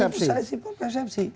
ya bukan manipulasi persepsi